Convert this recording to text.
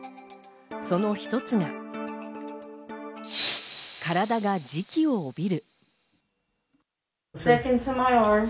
その一つが、体が磁気を帯びる。